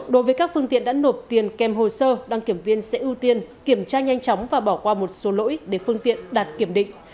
đối với các phương tiện đã nộp tiền kèm hồ sơ đăng kiểm viên sẽ ưu tiên kiểm tra nhanh chóng và bỏ qua một số lỗi để phương tiện đạt kiểm định